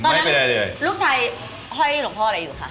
ตอนนั้นลูกชายห้อยหลวงพ่ออะไรอยู่ค่ะ